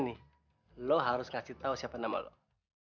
kamu harus memberitahu siapa nama kamu